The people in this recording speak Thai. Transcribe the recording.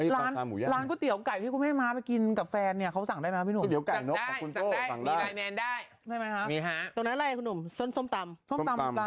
ปุ๊บพี่ม้ากินเสร็จแล้วเช็บกับโต๊ะ